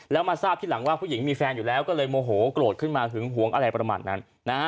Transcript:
แล้วมาทราบทีหลังว่าผู้หญิงมีแฟนอยู่แล้วก็เลยโมโหโกรธขึ้นมาหึงหวงอะไรประมาณนั้น